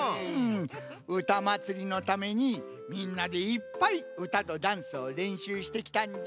「うたまつり」のためにみんなでいっぱいうたとダンスをれんしゅうしてきたんじゃ。